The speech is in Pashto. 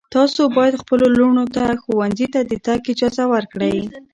تاسو باید خپلو لوڼو ته ښوونځي ته د تګ اجازه ورکړئ.